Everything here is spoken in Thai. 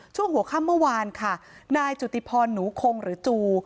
ช่วงหัวค่ำเมื่อวานค่ะนายจุติพรหนูคงหรือจู